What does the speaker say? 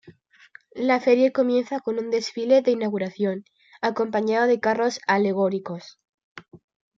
La feria comienza con un desfile de inauguración, acompañado de carros alegóricos.